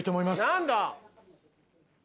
何だ？